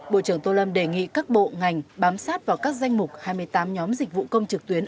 bộ trưởng tô lâm đề nghị các bộ ngành bám sát vào các danh mục hai mươi tám nhóm dịch vụ công trực tuyến